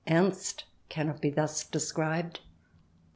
Ernst cannot be thus described.